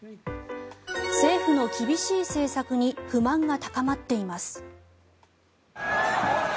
政府の厳しい政策に不満が高まっています。